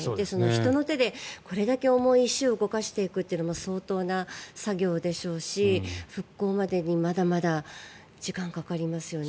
人の手でこれだけ重い石を動かしていくっていうのは相当な作業でしょうし復興までにまだまだ時間かかりますよね。